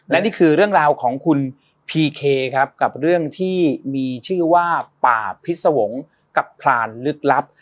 และนี่คือเรื่องราวของคุณพีเคครับกับเรื่องที่มีชื่อว่าป่าพิษวงศ์กับพรานลึกลับ